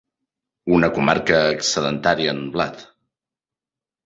Una comarca excedentària en blat.